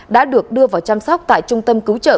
đã được đưa vào chăm sóc tại trung tâm cứu trợ